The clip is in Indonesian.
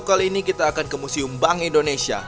kali ini kita akan ke museum bank indonesia